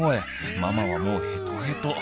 ママはもうヘトヘト。